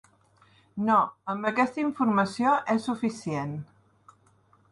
No, amb aquesta informació és suficient.